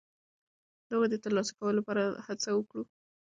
د هغوی د ترلاسه کولو لپاره هڅه وکړو.